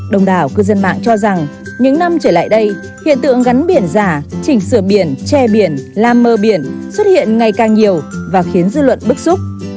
đồng đảo cư dân mạng cho rằng những năm trở lại đây hiện tượng gắn biển giả chỉnh sửa biển che biển làm mờ biển xuất hiện ngày càng nhiều và khiến dư luận bức xúc